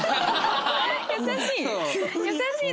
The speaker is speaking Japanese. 優しい？